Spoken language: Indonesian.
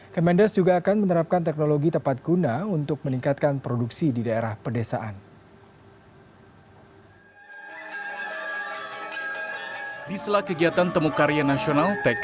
kemendes juga akan menerapkan teknologi tepat guna untuk meningkatkan produksi di daerah pedesaan